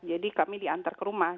jadi kami diantar ke rumah